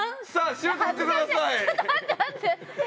ちょっと待って待って！